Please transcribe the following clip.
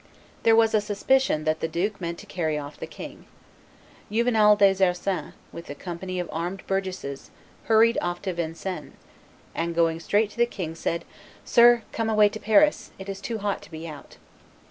There was a suspicion that the duke meant to carry off the king. Juvenal des Ursins, with a company of armed burgesses, hurried off to Vincennes, and going straight to the king, said, "Sir, come away to Paris; it is too hot to be out."